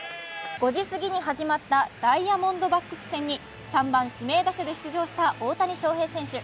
５時すぎに始まったダイヤモンドバックス戦に３番・指名打者で出場した大谷翔平選手。